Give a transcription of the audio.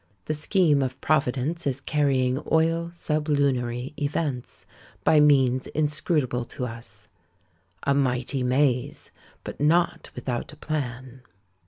The scheme of Providence is carrying oil sublunary events, by means inscrutable to us, A mighty maze, but not without a plan!